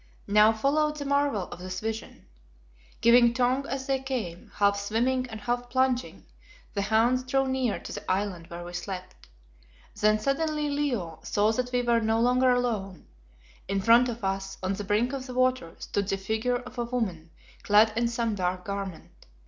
Now followed the marvel of this vision. Giving tongue as they came, half swimming and half plunging, the hounds drew near to the island where we slept. Then, suddenly Leo saw that we were no longer alone. In front of us, on the brink of the water, stood the figure of a woman clad in some dark garment.